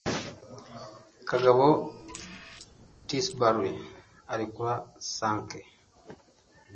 Kagabo Tisbury arekura Sanke